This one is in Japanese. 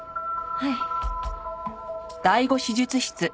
はい。